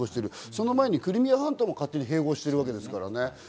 その前にクリミア半島も勝手に併合してますからね。